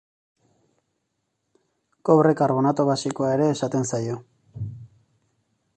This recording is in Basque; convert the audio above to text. Kobre karbonato basikoa ere esaten zaio.